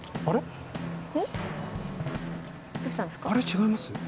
あれ違います？